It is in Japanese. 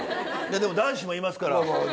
でも男子もいますから。